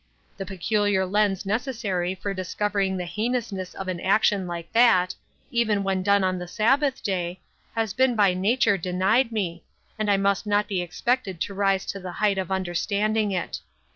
The peculiar lens necessary for discovering the heinousness of an action like THE UNEXPECTED. 85 that, even when done on the Sabbath day, has been by nature denied me, and I must not be ex pected to rise to the height of understanding it.